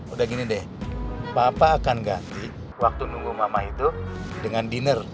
udah gini deh papa akan ganti waktu nunggu mama itu dengan dinner